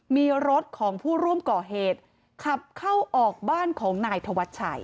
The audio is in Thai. มีรถของผู้ร่วมก่อเหตุขับเข้าออกบ้านของนายธวัชชัย